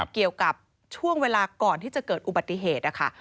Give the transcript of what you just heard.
เกี่ยวกับช่วงเวลาก่อนที่จะเกิดอุบัติเหตุนะคะ